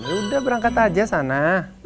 udah berangkat aja sana